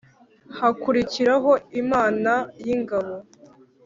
hakurikiraho ‘imana y’ingabo